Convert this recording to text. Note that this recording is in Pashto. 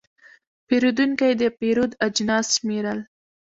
پیرودونکی د پیرود اجناس شمېرل.